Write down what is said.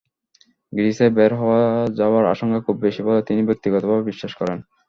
গ্রিসের বের হয়ে যাওয়ার আশঙ্কা খুব বেশি বলে তিনি ব্যক্তিগতভাবে বিশ্বাস করেন।